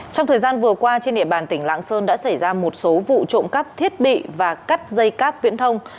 trong thời gian vừa qua trên địa bàn tỉnh lạng sơn đã xảy ra một số vụ trộm cắp thiết bị và cắt dây cáp viễn thông